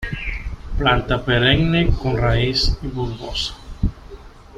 Planta perenne, con raíz bulbosa.